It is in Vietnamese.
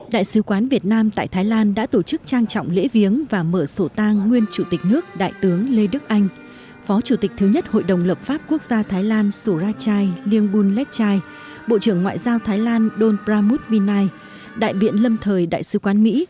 đại sứ quán việt nam tại thái lan đã tổ chức trang trọng lễ viếng và mở sổ tang nguyên chủ tịch nước đại tướng lê đức anh phó chủ tịch thứ nhất hội đồng lập pháp quốc gia thái lan surajai liêng bunlechai bộ trưởng ngoại giao thái lan don pramut vinai đại biện lâm thời đại sứ quán mỹ